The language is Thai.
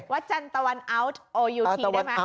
วัดจันตวันออุ๊ตโอยูทีได้ไหม